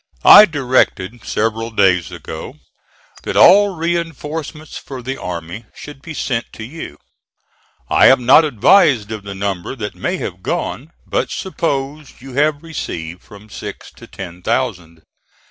I directed several days ago that all reinforcements for the army should be sent to you. I am not advised of the number that may have gone, but suppose you have received from six to ten thousand.